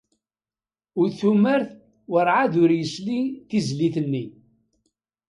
Utumert werɛad ur yesli tizlit-nni.